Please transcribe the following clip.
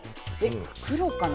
黒かな？